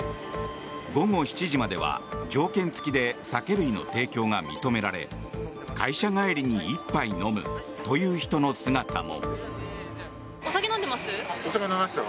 午後７時までは条件付きで酒類の提供が認められ会社帰りに１杯飲むという人の姿も。